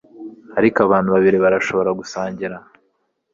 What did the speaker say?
ariko abantu babiri barashobora gusangira